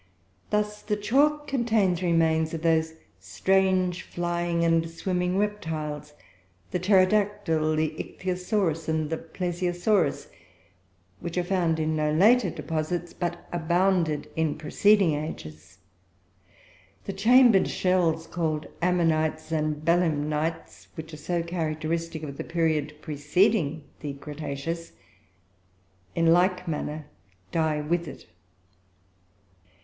Thus the chalk contains remains of those strange flying and swimming reptiles, the pterodactyl, the ichthyosaurus, and the plesiosaurus, which are found in no later deposits, but abounded in preceding ages. The chambered shells called ammonites and belemnites, which are so characteristic of the period preceding the cretaceous, in like manner die with it.